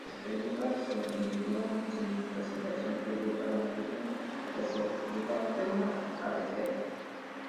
Las películas se emitieron sin presentación previa, solamente precedidas de una cabecera.